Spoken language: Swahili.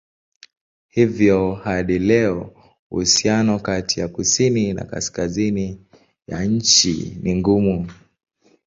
Hivyo hadi leo uhusiano kati ya kusini na kaskazini ya nchi ni mgumu.